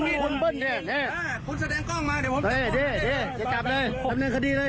นี่นี่นี่คุณแจ้งกล้องมาเดี๋ยวสับได้สับเงินคดีเลย